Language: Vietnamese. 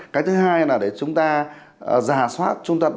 cái thứ hai là để chúng ta giả soát chúng ta đánh giá